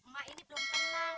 mak ini belum tenang